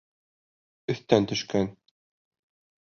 Өҫтән төшкән!